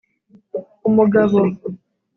Umugabo